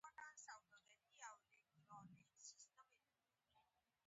کوتره ډېر زیات خرڅ نه لري.